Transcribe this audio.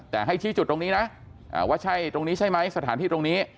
แต่ให้ชี้จุดตรงนี้นะว่าใช่ตรงนี้ใช่ไหมสถานที่ตรงนี้